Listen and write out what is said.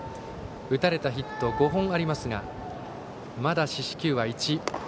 打たれたヒット５本ありますがまだ四死球は１。